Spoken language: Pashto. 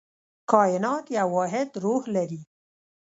کائنات یو واحد روح لري.